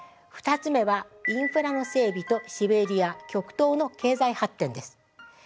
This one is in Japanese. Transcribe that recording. ２つ目は「インフラの整備とシベリア極東の経済発展」です。